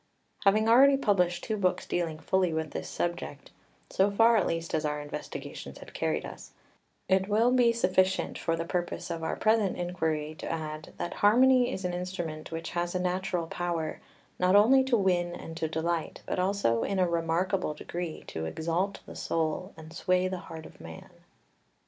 Having already published two books dealing fully with this subject so far at least as our investigations had carried us it will be sufficient for the purpose of our present inquiry to add that harmony is an instrument which has a natural power, not only to win and to delight, but also in a remarkable degree to exalt the soul and sway the heart of man.